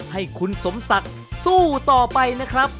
ให้คุณสมศักดิ์สู้ต่อไปนะครับ